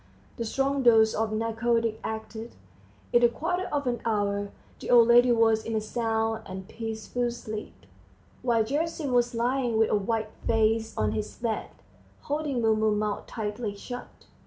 The strong dose of narcotic acted; in a quarter of an hour the old lady was in a sound and peaceful sleep; while Gerasim was lying with a white face on his bed, holding Mumu's mouth tightly shut.